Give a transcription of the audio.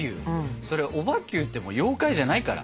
それオバＱってもう妖怪じゃないから。